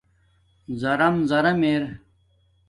زام زام ار